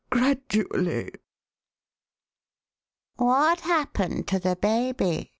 . gradually." What happened to the baby?"